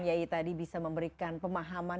yayi tadi bisa memberikan pemahaman